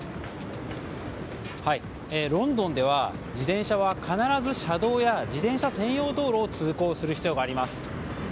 ロンドンでは自転車は必ず車道や自転車専用道路を通行する必要があります。